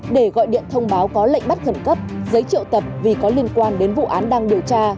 để gọi điện thông báo có lệnh bắt khẩn cấp giấy triệu tập vì có liên quan đến vụ án đang điều tra